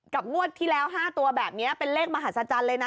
กับมวดที่แล้ว๕ตัวเป็นเลขมหาศจรรย์เลยนะ